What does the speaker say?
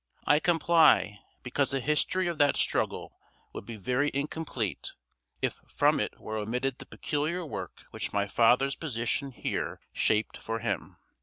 I comply, because the history of that struggle would be very incomplete, if from it were omitted the peculiar work which my father's position here shaped for him.